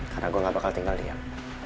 karena gue gak bakal tinggal diam